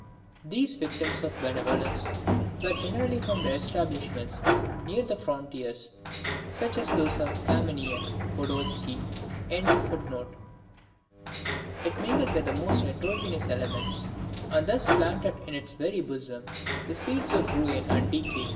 These victims to benevolence were generally from the establishments near the frontiers, such as those of Kamieniec Podolski.] it mingled the most heterogeneous elements, and thus planted in its very bosom the seeds of ruin and decay.